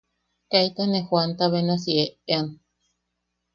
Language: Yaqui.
Kaita ne jooanta benasi eʼean.